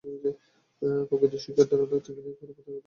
প্রকৃত শিক্ষার ধারণা কিন্তু এখনও আমাদের মধ্যে উদিত হয় নাই।